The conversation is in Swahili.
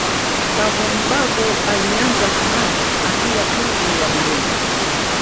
Kavumbagu alianza kungara akiwa klabu ya Burundi